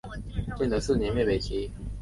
建德四年灭北齐。